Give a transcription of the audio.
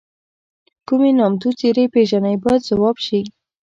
کومې نامتو څېرې پیژنئ باید ځواب شي.